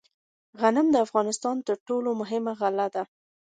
غنم د افغانستان تر ټولو مهمه غله ده.